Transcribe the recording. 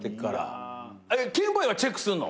ケンボーイはチェックすんの？